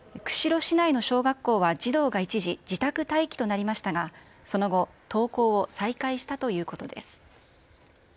釧路市内の小学校は児童が一時、自宅待機となりましたが、その後、登校を再開したということです。